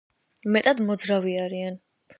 მეტად მოძრავი არიან.